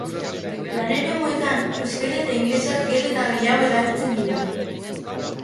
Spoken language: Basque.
Lan-eremuetan euskara eta ingelesa gero eta gehiago erabiltzen dira